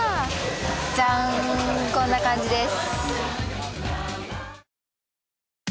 ジャンこんな感じです。